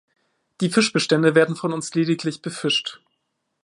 Die Fischbestände werden von uns lediglich befischt.